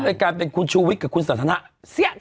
ก็เลยการเป็นคุณชูวิทย์กับคุณสาธารณะเสียกัน